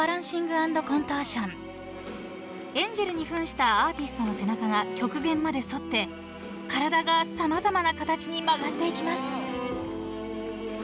［エンジェルに扮したアーティストの背中が極限まで反って体が様々な形に曲がっていきます］